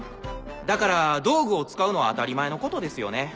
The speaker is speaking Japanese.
だから道具を使うのは当たり前のことですよね。